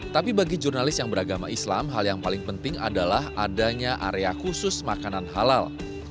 tapi bagi jurnalis yang beragama islam hal yang paling penting adalah adanya area khusus makanan halal